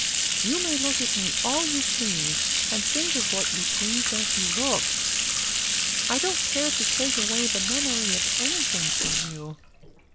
You may look at me all you please, and think of what you please as you look. I don't care to take away the memory of anything from you.